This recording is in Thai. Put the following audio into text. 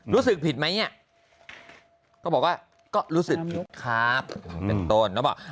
รู้สึกผิดไหมเนี่ยก็บอกว่าก็รู้สึกผิดครับเป็นต้น